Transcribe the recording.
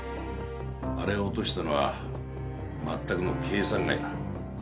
あれを落としたのは全くの計算外だ。